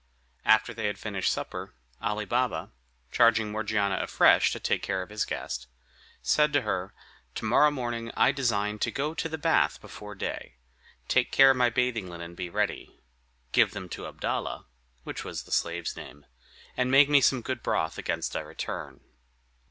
After they had finished supper, Ali Baba, charging Morgiana afresh to take care of his guest, said to her, "To morrow morning I design to go to the bath before day; take care my bathing linen be ready, give them to Abdalla (which was the slave's name) and make me some good broth against I return."